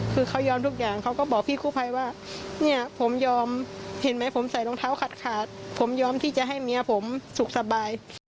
คือเขายอมทุกอย่างเขาก็บอกพี่กู้ภัยว่าเนี่ยผมยอมเห็นไหมผมใส่รองเท้าขาดขาดผมยอมที่จะให้เมียผมสุขสบาย